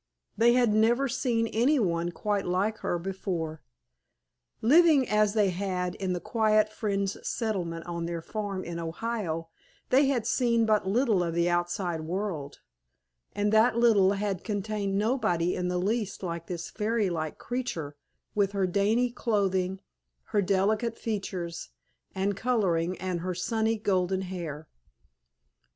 They had never seen any one quite like her before. Living as they had in the quiet Friends settlement on their farm in Ohio, they had seen but little of the outside world, and that little had contained nobody in the least like this fairy like creature, with her dainty clothing, her delicate features and coloring and her sunny golden hair.